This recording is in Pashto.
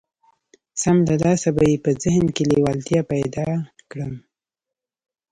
سم له لاسه به يې په ذهن کې لېوالتيا پيدا کړم.